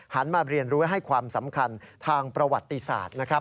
หันมาเรียนรู้ให้ความสำคัญทางประวัติศาสตร์